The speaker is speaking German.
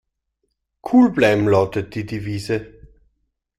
Cool bleiben lautet die Devise.